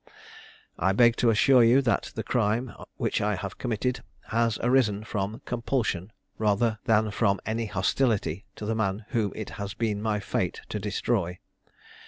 I beg to assure you that the crime which I have committed has arisen from compulsion rather than from any hostility to the man whom it has been my fate to destroy.